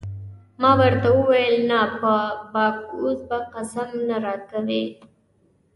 ما ورته وویل: نه په باکوس به قسم نه راکوې.